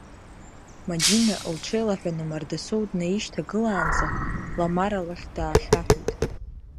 Мадина, лҽеилаҳәаны Мардасоу днаишьҭагылаанӡа, Ламара лахь даахьаҳәит.